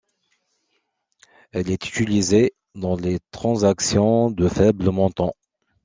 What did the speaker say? Elle est utilisée dans les transactions de faibles montants.